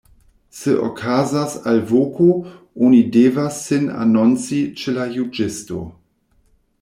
Se okazas alvoko, oni devas sin anonci ĉe la juĝisto.